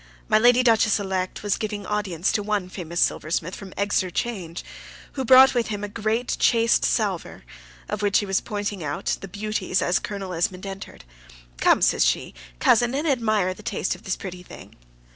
My Lady Duchess elect was giving audience to one famous silversmith from Exeter Change, who brought with him a great chased salver, of which he was pointing out the beauties as Colonel Esmond entered. "Come," says she, "cousin, and admire the taste of this pretty thing."